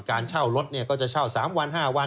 การเช่ารถก็จะเช่า๓วัน๕วัน